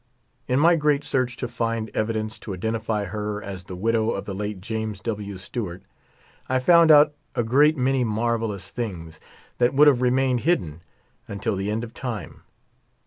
In my great search to find evidence to identify her as the widow of the late James W. Stewall, I found out a great many marvelous things that would have remained hidden until the end of time.